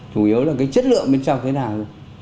thủ yếu là cái chất lượng bên trong thế nào